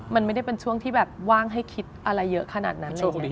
มันไม่ได้เป็นช่วงที่ว่างให้คิดอะไรเยอะขนาดนั้น